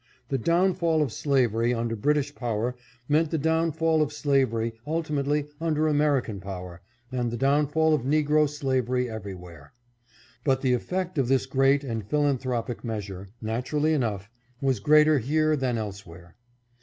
The downfall of slavery under British power meant the downfall of slavery, ultimately, under American power, and the down fall of negro slavery everywhere. But the effect of this great and philanthropic measure, naturally enough, was greater here than elsewhere.